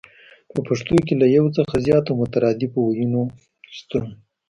په پښتو کې له يو څخه زياتو مترادفو ويونو شتون